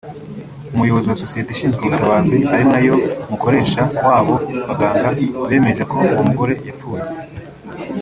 Umuyobozi wa sosiyete ishinzwe ubutabazi ari nayo mukoresha w’abo baganga bemeje ko uwo mugore yapfuye